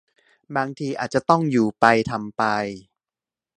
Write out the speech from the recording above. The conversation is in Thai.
บางทีอาจจะต้องอยู่ไปทำไป